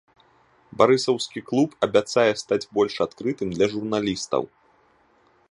Барысаўскі клуб абяцае стаць больш адкрытым для журналістаў.